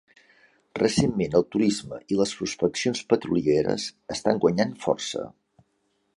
Recentment, el turisme i les prospeccions petrolieres estan guanyant força.